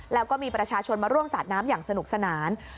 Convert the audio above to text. แล้วก็มีประชาชนมาร่วมสาดน้ำอย่างสนุกสนาน